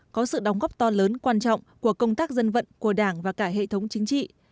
có sự đóng góp to lớn quan trọng của công tác dân vận của đảng và cả hệ thống chính trị